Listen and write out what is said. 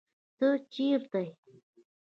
ته چېرته يې